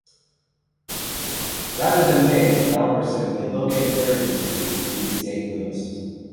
Rather than pay it, developers simply located their industries in East Saint Louis.